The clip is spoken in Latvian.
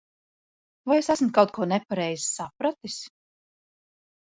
Vai es esmu kaut ko nepareizi sapratis?